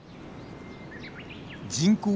人口